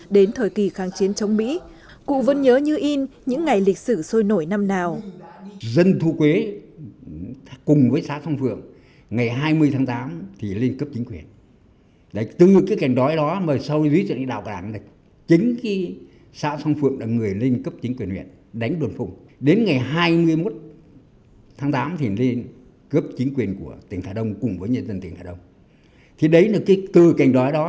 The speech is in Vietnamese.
đến thời kỳ kháng chiến chống mỹ cụ vẫn nhớ như in những ngày lịch sử sôi nổi năm nào